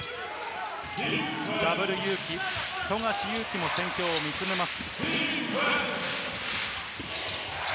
ダブルユウキ、富樫勇樹も戦況を見つめます。